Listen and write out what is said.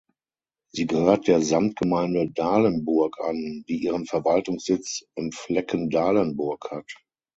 Sie gehört der Samtgemeinde Dahlenburg an, die ihren Verwaltungssitz im Flecken Dahlenburg hat.